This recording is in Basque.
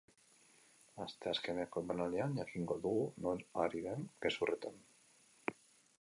Asteazkeneko emanaldian jakingo dugu nor ari den gezurretan.